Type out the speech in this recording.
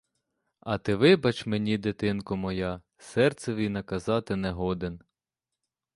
А ти вибач мені, дитинко моя, серцеві наказати не годен.